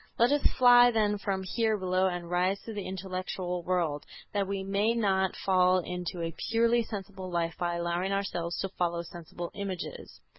Let us fly then from here below and rise to the intellectual world, that we may not fall into a purely sensible life by allowing ourselves to follow sensible images...."